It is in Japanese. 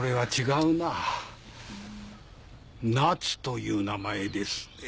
ナツという名前ですね。